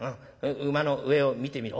馬の上を見てみろ？